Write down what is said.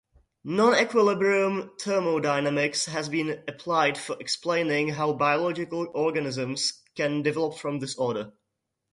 Non-equilibrium thermodynamics has been applied for explaining how biological organisms can develop from disorder.